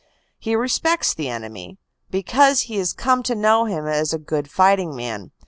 He respects the enemy because he has come to know him as a good fighting man.